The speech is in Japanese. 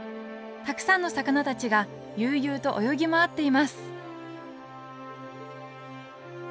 たくさんの魚たちが悠々と泳ぎ回っています